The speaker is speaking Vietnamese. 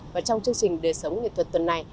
và trong chương trình đời sống nghệ thuật tuần này